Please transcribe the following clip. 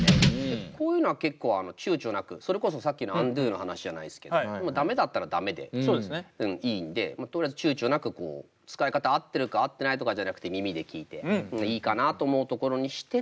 こういうのは結構ちゅうちょなくそれこそさっきのＵｎｄｏの話じゃないですけど駄目だったら駄目でいいんでとりあえずちゅうちょなく使い方合ってるか合ってないとかじゃなくて耳で聴いていいかなと思うところにして